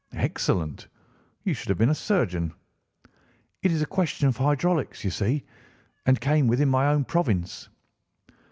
"Excellent! You should have been a surgeon." "It is a question of hydraulics, you see, and came within my own province."